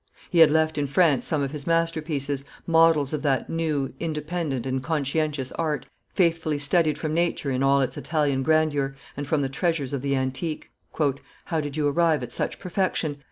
He had left in France some of his masterpieces, models of that, new, independent, and conscientious art, faithfully studied from nature in all its Italian grandeur, and from the treasures of the antique. "How did you arrive at such perfection?"